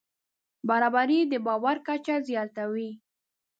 برابري د باور کچه زیاتوي.